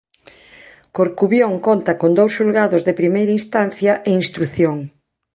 Corcubión conta con dous Xulgados de Primeira Instancia e Instrución.